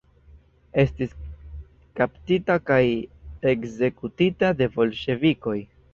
Estis kaptita kaj ekzekutita de bolŝevikoj.